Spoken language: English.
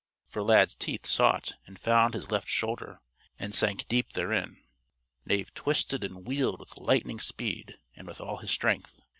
For Lad's teeth sought and found his left shoulder, and sank deep therein. Knave twisted and wheeled with lightning speed and with all his strength.